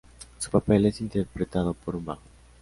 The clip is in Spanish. Su papel es interpretado por un bajo.